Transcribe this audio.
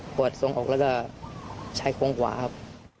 โปรดทรงอกแล้วก็ใช้ควงหัวครับ